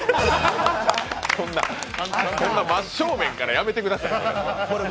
そんな真っ正面からやめてくださいよ。